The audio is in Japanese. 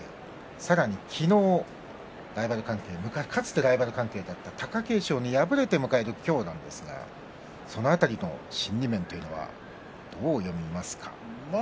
さらに昨日かつてライバル関係だった貴景勝に敗れて迎える今日なんですが、その辺りの心理面というのはどう読みますか？